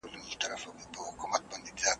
داسي ښکاري چي بېلېږي د ژوند لاره `